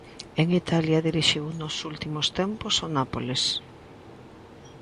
En Italia dirixiu nos últimos tempos o Nápoles.